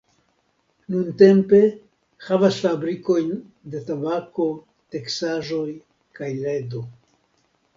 Nuntempe havas fabrikojn de tabako, teksaĵoj kaj ledo.